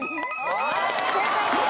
正解です。